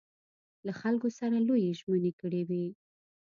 له خلکو سره لویې ژمنې کړې وې.